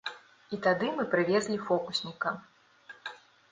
І тады мы прывезлі фокусніка.